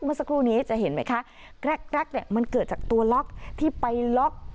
มันสกรูนี้จะเห็นไหมคะมันเกิดจากตัวล็อกที่ไปล็อก